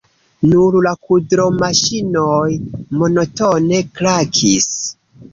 Nur la kudromaŝinoj monotone krakis.